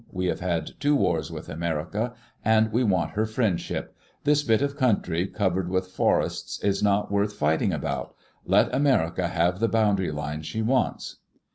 We have had two wars with America, and we want her friendship. This bit of country, covered with forests, is not worth fighting about. Let America have the boundary line she wants."